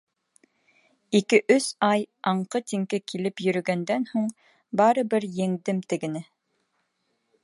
Ике-өс ай аңҡы-тиңке килеп йөрөгәндән һуң, барыбер еңдем тегене.